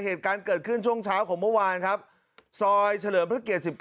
เหตุการณ์เกิดขึ้นช่วงเช้าของเมื่อวานครับซอยเฉลิมพระเกียร๑๙